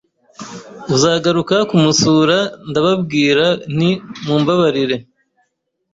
uzagaruka kumusura, ndababwira nti mumbabarire